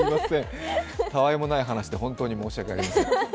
たわいもない話で本当に申し訳ありません。